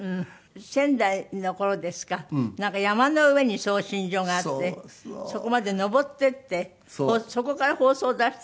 仙台の頃ですかなんか山の上に送信所があってそこまで登っていってそこから放送を出していらしたんですって？